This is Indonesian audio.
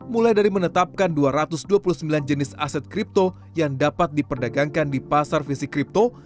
mulai dari menetapkan dua ratus dua puluh sembilan jenis aset kripto yang dapat diperdagangkan di pasar fisik kripto